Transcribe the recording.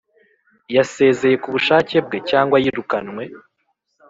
Yasezeye ku bushake bwe cyangwa yirukanwe?